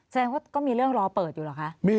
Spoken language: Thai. แสดงว่าก็มีเรื่องรอเปิดอยู่เหรอคะ